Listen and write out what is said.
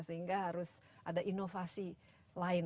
sehingga harus ada inovasi lain